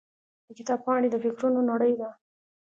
د کتاب پاڼې د فکرونو نړۍ ده.